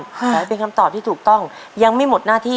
ขอให้เป็นคำตอบที่ถูกต้องยังไม่หมดหน้าที่